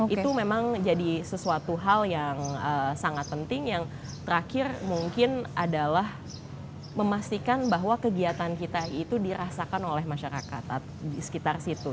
itu memang jadi sesuatu hal yang sangat penting yang terakhir mungkin adalah memastikan bahwa kegiatan kita itu dirasakan oleh masyarakat di sekitar situ